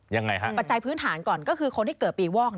ยังไงฮะปัจจัยพื้นฐานก่อนก็คือคนที่เกิดปีวอก